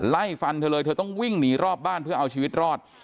ไล่ฟันเธอเลยเธอต้องวิ่งหนีรอบบ้านเพื่อเอาชีวิตรอด